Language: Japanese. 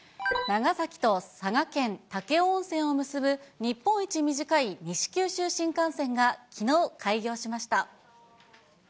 長崎と佐賀県武雄温泉を結ぶ、日本一短い西九州新幹線がきのう開業しました。